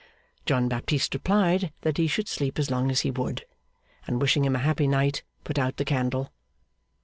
John Baptist replied that he should sleep as long as he would, and wishing him a happy night, put out the candle.